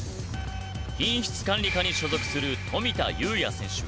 品質管理課に所属する富田湧也選手。